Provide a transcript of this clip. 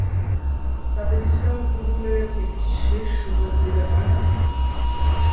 তাদেরকে ইসলাম কবুলের একটি শেষ সুযোগ দিলে হয় না?